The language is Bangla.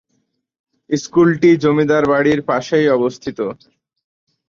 স্কুলটি জমিদার বাড়ির পাশেই অবস্থিত।